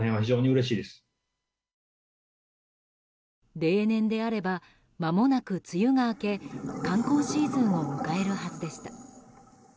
例年であればまもなく梅雨が明け観光シーズンを迎えるはずでした。